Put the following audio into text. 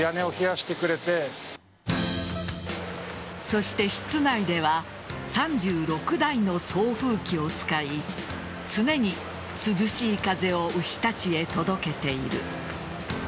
そして、室内では３６台の送風機を使い常に涼しい風を牛たちへ届けている。